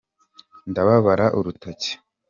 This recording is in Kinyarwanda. ndababara urutoki.